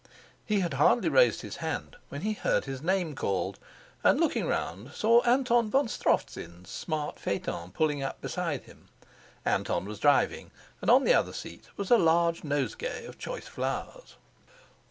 He had hardly raised his hand when he heard his name called, and, looking round, saw Anton von Strofzin's smart phaeton pulling up beside him. Anton was driving, and on the other seat was a large nosegay of choice flowers.